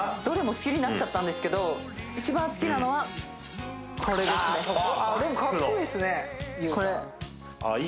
どれも好きになっちゃったんですけど一番好きなのはこれですねあ